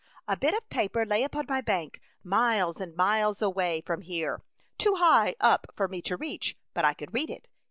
*' A bit of paper lay upon my bank, miles and miles away from here, too high up for me to reach, but I could read it.